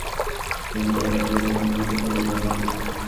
কিন্তু এটুকুতে তোমার কী ক্ষতি হইবে, নাথ।